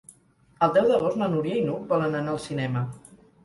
El deu d'agost na Núria i n'Hug volen anar al cinema.